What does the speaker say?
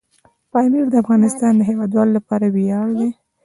پامیر د افغانستان د هیوادوالو لپاره ویاړ دی.